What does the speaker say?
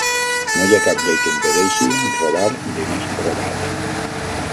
No hi ha cap llei que impedeixi robar diners robats.